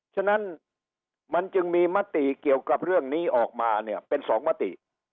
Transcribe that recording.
ฉะนั้นมันจึงมีมติเกี่ยวกับเรื่องนี้ออกมาเนี่ยเป็นสองมติ